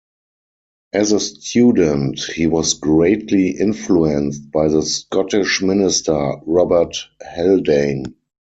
As a student, he was greatly influenced by the Scottish minister Robert Haldane.